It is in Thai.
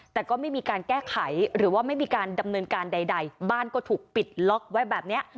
แต่ก็ไม่มีการแก้ไขหรือว่าไม่มีการดำเนินการใดบ้านก็ถูกปิดล็อกไว้แบบนี้